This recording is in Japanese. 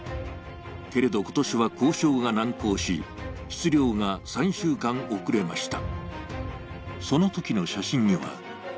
けれど今年は交渉が難航し、出漁が３週間遅れました。